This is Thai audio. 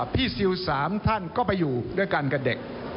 ซิล๓ท่านก็ไปอยู่ด้วยกันกับเด็ก